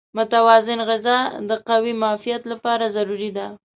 متوازن غذا د قوي معافیت لپاره ضروري ده.